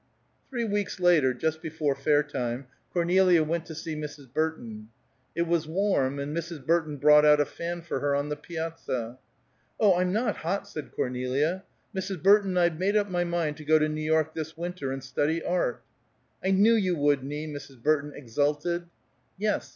Three weeks later, just before fair time, Cornelia went to see Mrs. Burton. It was warm, and Mrs. Burton brought out a fan for her on the piazza. "Oh, I'm not hot," said Cornelia. "Mrs. Burton, I've made up my mind to go to New York this winter, and study art." "I knew you would, Nie!" Mrs. Burton exulted. "Yes.